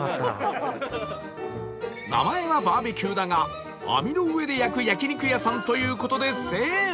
名前は「バーベキュー」だが網の上で焼く焼肉屋さんという事でセーフ